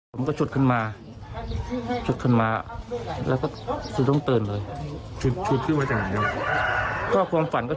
ผมก็ฉุดขึ้นมาฉุดขึ้นมาแล้วก็ตื่นต้องตื่นเลย